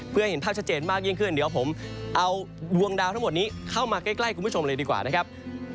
เพื่อให้เห็นภาพชัดเจนมากยิ่งขึ้นเดี๋ยวผมเอาดวงดาวทั้งหมดนี้เข้ามาใกล้คุณผู้ชมเลยดีกว่านะครับ